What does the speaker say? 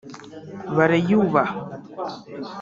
bariyubaha